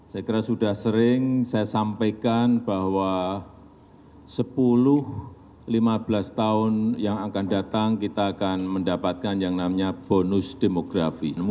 saya kira sudah sering saya sampaikan bahwa sepuluh lima belas tahun yang akan datang kita akan mendapatkan yang namanya bonus demografi